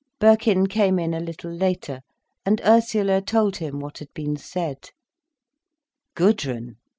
Birkin came in a little later, and Ursula told him what had been said. "Gudrun!"